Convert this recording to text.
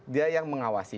dia yang mengawasi